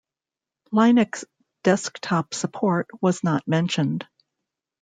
Linux desktop support was not mentioned.